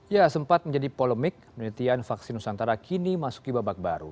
ya sempat menjadi polemik penelitian vaksin nusantara kini masuk ke babak baru